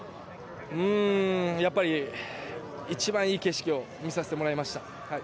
一番いい景色を見させてもらいました。